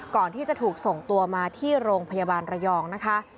ก่อนที่จะถูกส่งตัวมาที่โรงพยาบาลระยองนะคะ